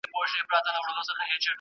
موږ باید د خپلي پوهني دپاره هڅه وکړو.